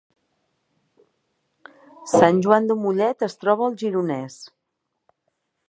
Sant Joan de Mollet es troba al Gironès